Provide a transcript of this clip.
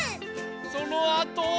そのあとは。